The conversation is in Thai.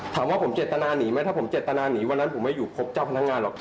ถามว่าผมเจตนาหนีไหมถ้าผมเจตนาหนีวันนั้นผมไม่อยู่ครบเจ้าพนักงานหรอก